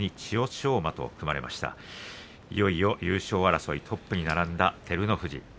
いよいよ優勝争いトップに並んだ照ノ富士。